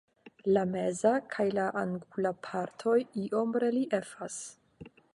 La meza kaj la angula partoj iom reliefas.